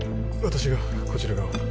私がこちら側を